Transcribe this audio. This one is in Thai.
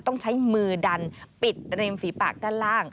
ต้องใช้มือดันปิดริมฝีปากด้านล่าง